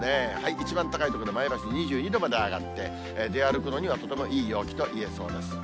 一番高い所で前橋２２度まで上がって、出歩くのにはとてもいい陽気といえそうです。